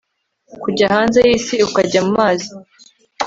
Kujya hanze yisi ukajya mumazi